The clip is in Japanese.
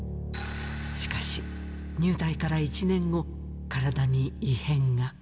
しかし、入隊から１年後、体に異変が。